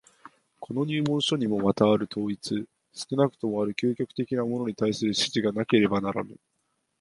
この入門書にもまたある統一、少なくともある究極的なものに対する指示がなければならぬ。